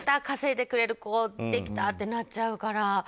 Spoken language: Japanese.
稼いでくれる子できたってなっちゃうから。